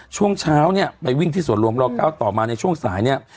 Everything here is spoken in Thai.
ช่วงเช้าเนี่ยไปวิ่งที่สวนรวมรอ๙ต่อมาในช่วงสายเนี่ย